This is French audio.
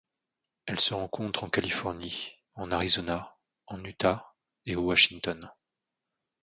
Elle se rencontre en Californie, en Arizona, en Utah et au Washington.